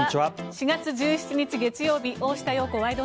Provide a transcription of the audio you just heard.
４月１７日、月曜日「大下容子ワイド！